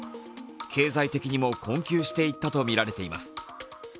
経済的にも困窮していったとみられています。